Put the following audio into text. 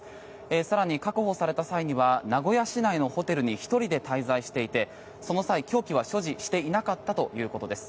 更に確保された際には名古屋市内のホテルに１人で滞在していてその際、凶器は所持していなかったということです。